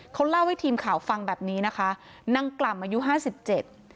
เขาเล่าให้ทีมข่าวฟังแบบนี้นะคะนางกล่ำอายุห้าสิบเจ็ด